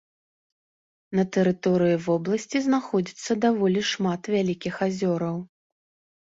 На тэрыторыі вобласці знаходзіцца даволі шмат вялікіх азёраў.